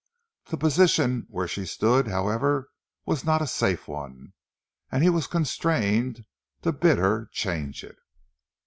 The position where she stood, however, was not a safe one, and he was constrained to bid her change it.